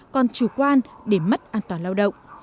còn chủ quan để mất an toàn lao động